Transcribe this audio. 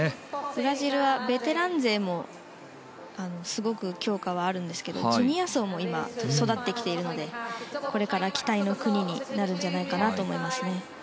ブラジルはベテラン勢もすごく強化はあるんですがジュニア層も今、育ってきているのでこれから期待の国になるんじゃないかと思います。